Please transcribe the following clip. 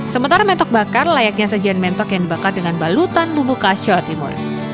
sementara mentok bakar layaknya sajian mentok yang dibakar dengan balutan bubuk khas jawa timur